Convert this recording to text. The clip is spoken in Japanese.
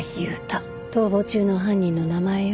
逃亡中の犯人の名前よ。